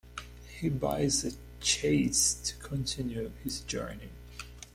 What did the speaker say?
He buys a chaise to continue his journey.